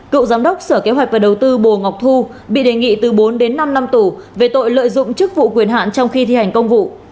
cựu giám đốc sở kế hoạch và đầu tư bồ ngọc thu bị đề nghị từ bốn đến năm năm tù về tội lợi dụng chức vụ quyền hạn trong khi thi hành công vụ